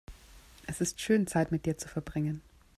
Es ist schön, Zeit mit dir zu verbringen.